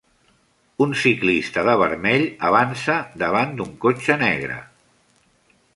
Un ciclista de vermell avança davant d'un cotxe negre.